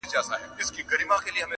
آسمانه واخله ککرۍ درغلې-